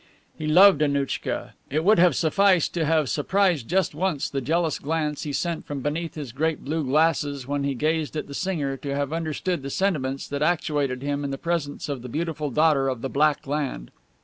He loved Annouchka. It would have sufficed to have surprised just once the jealous glance he sent from beneath his great blue glasses when he gazed at the singer to have understood the sentiments that actuated him in the presence of the beautiful daughter of the Black Land.